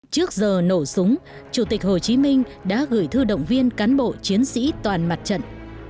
trước giờ nổ súng chủ tịch hồ chí minh đã gửi thư động viên cán bộ chiến sĩ toàn mặt trận